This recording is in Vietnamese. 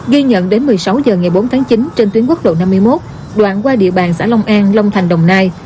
ghi nhận đến một mươi sáu h ngày bốn tháng chín trên tuyến quốc lộ năm mươi một đoạn qua địa bàn xã long an long thành đồng nai